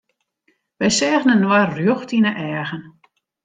Wy seagen inoar rjocht yn 'e eagen.